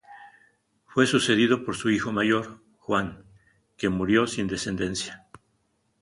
Fue sucedido por su hijo mayor, Juan, que murió sin descendencia.